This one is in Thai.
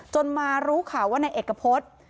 จนมารู้ข่าวว่าในเอกพจน์